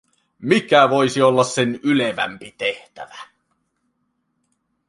Mikä voisi olla sen ylevämpi tehtävä?